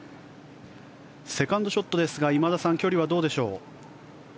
セカンドショットですが今田さん、距離はどうでしょう。